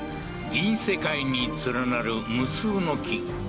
銀世界に連なる無数の木